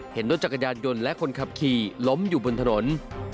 เห็นรถจักรยานยนต์และคนขับขี่ล้มอยู่บนถนน